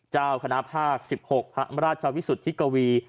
เจ้าคณะภาค๑๖พระราชวิสุทธิกวี